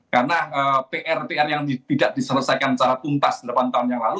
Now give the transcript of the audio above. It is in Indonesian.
karena pr pr yang tidak diselesaikan secara tuntas delapan tahun yang lalu